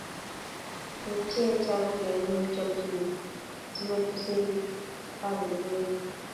Kepchei chakulee heng chokchinee si maitu serii ab lokoiwek ku